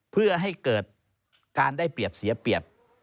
เพื่อให้เกิดการได้เปรียบเสียเปรียบ